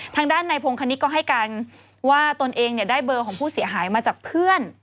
ทางด้านในพงคณิตก็ให้การว่าตนเองได้เบอร์ของผู้เสียหายมาจากเพื่อน